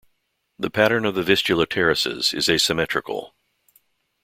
The pattern of the Vistula terraces is asymmetrical.